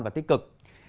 và tích cực